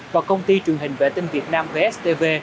và công ty truyền hình vệ tinh việt nam vstv